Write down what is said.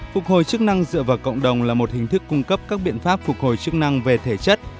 phục hồi chức năng dựa vào cộng đồng là một hình thức cung cấp các biện pháp phục hồi chức năng về thể chất